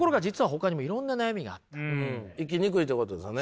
生きにくいということですね。